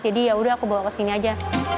jadi yaudah aku bawa ke sini aja